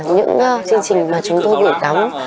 những chương trình mà chúng tôi gửi tắm